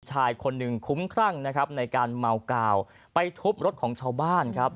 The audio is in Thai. ชายคนหนึ่งคุ้มครั่งนะครับในการเมากาวไปทุบรถของชาวบ้านครับ